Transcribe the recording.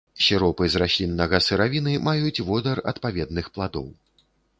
Сіропы з расліннага сыравіны маюць водар адпаведных пладоў.